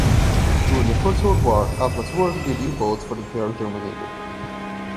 During the First World War, Atlas Werke built U-boats for the Imperial German Navy.